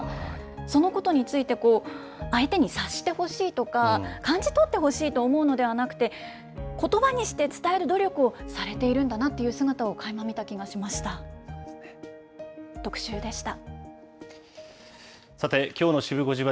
そのことについて、相手に察してほしいとか、感じ取ってほしいと思うのではなくて、ことばにして伝える努力をされているんだなという姿をかいま見た気がしました。